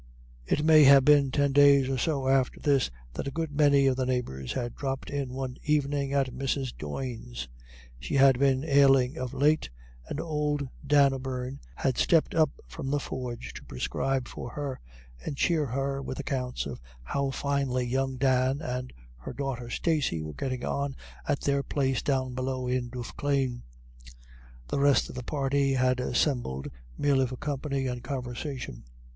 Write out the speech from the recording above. It may have been ten days or so after this that a good many of the neighbours had dropped in one evening at Mrs. Doyne's. She had been ailing of late, and old Dan O'Beirne had stepped up from the forge to prescribe for her, and cheer her with accounts of how finely young Dan and her daughter Stacey were getting on at their place down below in Duffclane. The rest of the party had assembled merely for company and conversation.